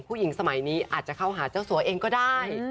ผู้หญิงสมัยนี้อาจจะเข้าหาเจ้าสัวเองก็ได้